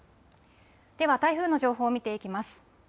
では台風の情報、見ていきます。